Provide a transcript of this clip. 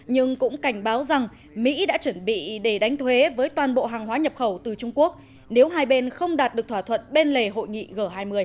nhưng cũng cảnh báo rằng mỹ đã chuẩn bị để đánh thuế với toàn bộ hàng hóa nhập khẩu từ trung quốc nếu hai bên không đạt được thỏa thuận bên lề hội nghị g hai mươi